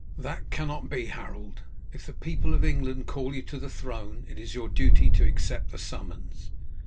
"That cannot be, Harold. If the people of England call you to the throne, it is your duty to accept the summons.